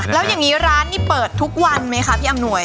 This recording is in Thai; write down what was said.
ทำยังงี้ร้านนี้เปิดทุกวันไหมครับพี่อำหนวย